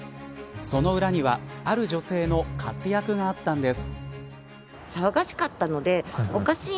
その裏にはある女性の活躍があったんです。